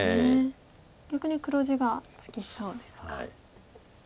逆に黒地がつきそうですか。